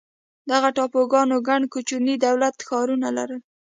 دغه ټاپوګانو ګڼ کوچني دولت ښارونه لرل.